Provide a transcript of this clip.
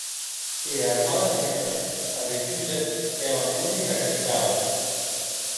Era armada russa arrecule e abandone era capitau.